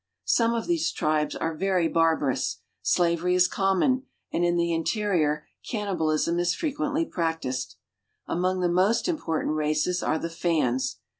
Some of these tribes are very barbarous. Slavery is ! common, and in the interior cannibalism is frequently I practiced. Among the most important races are the Fans.